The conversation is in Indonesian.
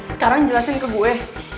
sekarang jelasin ke gue